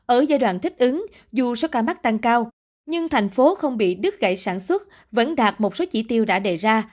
ở giai đoạn thích ứng dù số ca mắc tăng cao nhưng thành phố không bị đứt gãy sản xuất vẫn đạt một số chỉ tiêu đã đề ra